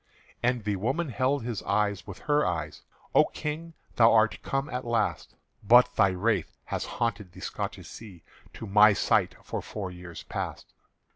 And the woman held his eyes with her eyes: "O King, thou art come at last; But thy wraith has haunted the Scotish Sea To my sight for four years past.